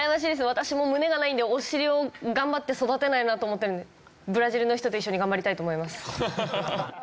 私胸がないんでお尻を頑張って育てたいなと思ってるんでブラジルの人と一緒に頑張りたいと思います。